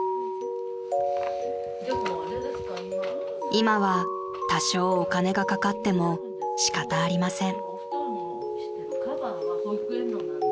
［今は多少お金がかかっても仕方ありません］